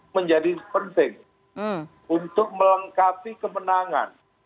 menjadi penting untuk melengkapi kemenangan